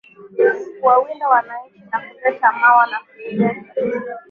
ni kuwalinda wananchi na kuleta mawa na kuuleta